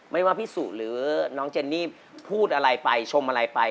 ไม่ว่าพี่สุหรือน้องเจนนี่พูดอะไรไปชมอะไรไป